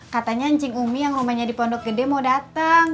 katanya anjing umi yang rumahnya di pondok gede mau datang